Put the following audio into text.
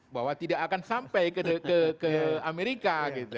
bahwa tidak akan sampai ke amerika